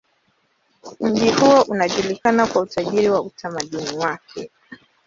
Mji huo unajulikana kwa utajiri wa utamaduni wake.